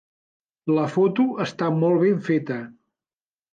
La foto està molt ben feta.